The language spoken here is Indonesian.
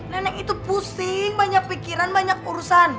nenek itu pusing banyak pikiran banyak urusan